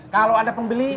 kalau ada pembeli